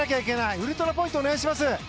ウルトラポイントお願いします！